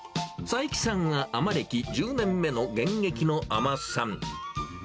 佐伯さんは、海女歴１０年目の現役の海女さん。